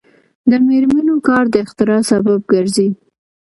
د میرمنو کار د اختراع سبب ګرځي.